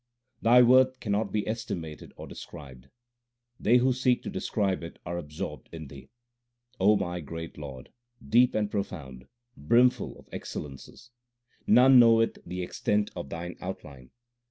Thy worth cannot be estimated or described ; They who seek to describe it are absorbed in Thee O my great Lord, deep and profound, brimful of excel lences, None knoweth the extent of Thine outline.